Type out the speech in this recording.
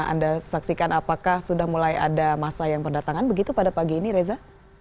anda saksikan apakah sudah mulai ada masa yang berdatangan begitu pada pagi ini reza